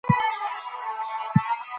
بدلون علتونه لري.